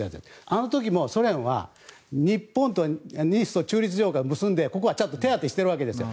あの時もソ連は日本と日ソ中立条約を結んで結んで、ここは手当てしているわけです。